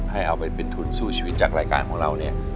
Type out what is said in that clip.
ให้เอาไปเป็นทุนสู้ชีวิตจากรายการของเราเนี่ย